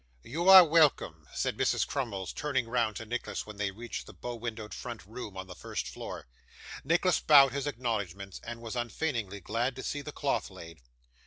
'You are welcome,' said Mrs. Crummles, turning round to Nicholas when they reached the bow windowed front room on the first floor. Nicholas bowed his acknowledgments, and was unfeignedly glad to see the cloth laid.